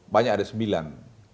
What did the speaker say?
banyak ada sembilan